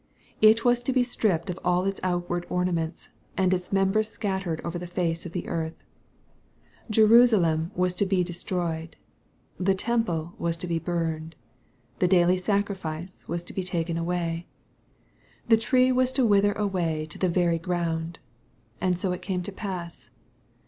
It wad to be stripped of all its outward ornaments, and its members scattered orer the face of the earth. Jerusalem was to be destroyed. The temple was to be burned. The daily sacrifice was to be taken away. The tree was to wither away to the very ground. And so it came to pass.